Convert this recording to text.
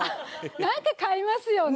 なんか買いますよね！